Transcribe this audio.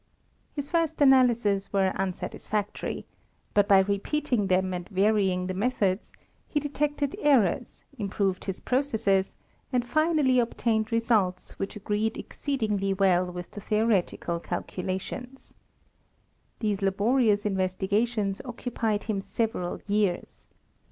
His first analyses were unsatisfactory ; but by repeating them and varying the methods, he de tected errors, improved his processes, and finally ob tained results, which agreed exceedingly well with the theoretical calculations. These laborious in vestigations occupied him several years.